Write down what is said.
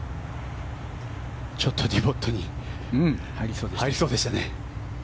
ちょっとディボットに入りそうでしたね。